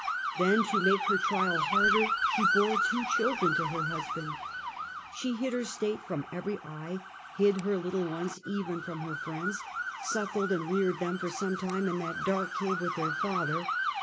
Then, to make her trial harder, she bore two children to her husband. She hid her state from every eye, hid her little ones even .from her friends, suckled and reared them for some time in that dark cave with their father.